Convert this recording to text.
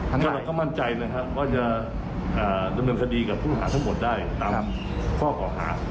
อันนี้เราก็มั่นใจนะครับว่าจะดำเนินคดีกับผู้หาทั้งหมดได้ตามข้อเก่าหา